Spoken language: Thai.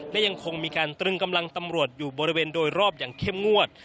และยังคงมีการตรึงกำลังตำรวจอยู่บริเวณโดยรอบอย่างเข้มงวด